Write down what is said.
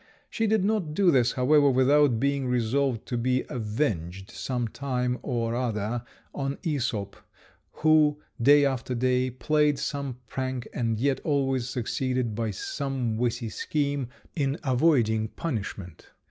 She did not do this, however, without being resolved to be avenged some time or other on Æsop, who day after day played some prank, and yet always succeeded by some witty scheme in avoiding punishment.